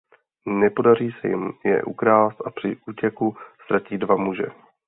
Nepodaří se jim je ukrást a při útěku ztratí dva muže.